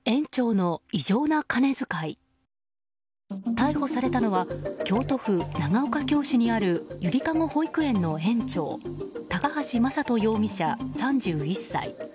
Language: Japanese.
逮捕されたのは京都府長岡京市にあるゆりかご保育園の園長高橋正登容疑者、３１歳。